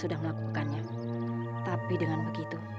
sudah melakukannya tapi dengan begitu